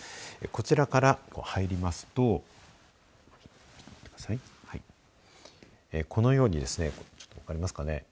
こちらから入りますとこのようにですね分かりますかね。